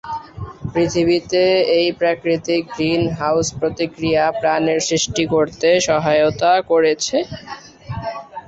পৃথিবীতে এই প্রাকৃতিক গ্রিন হাউজ প্রতিক্রিয়া প্রাণের সৃষ্টি করতে সহায়তা করেছে।